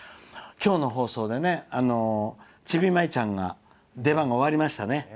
今日の放送でチビ舞ちゃんの出番が終わりましたね。